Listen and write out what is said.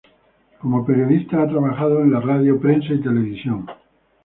Como periodista ha trabajado en radio, prensa y televisión.